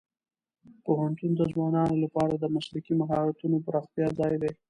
پوهنتون د ځوانانو لپاره د مسلکي مهارتونو پراختیا ځای دی.